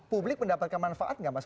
publik mendapatkan manfaat nggak mas